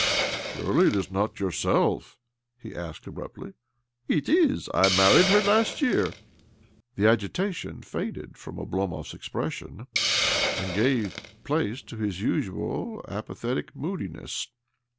"Surely it is not yourself?" he asked abruptly. " It is. I married her last year." The agitation faded from Oblomov's expression, and gave place to his usual apathetic moodiness.